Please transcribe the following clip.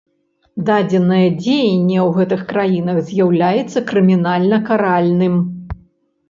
Дадзенае дзеянне ў гэтых краінах з'яўляецца крымінальна каральным.